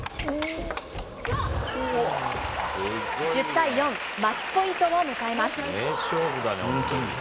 １０対４、マッチポイントを迎えます。